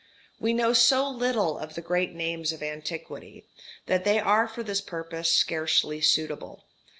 We know so little of the great names of antiquity, that they are for this purpose scarcely suitable.